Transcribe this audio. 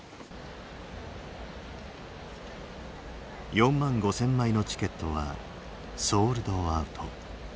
４万５，０００枚のチケットはソールドアウト。